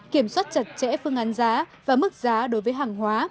kiểm soát chặt chẽ phương án giá và mức giá đối với hàng hóa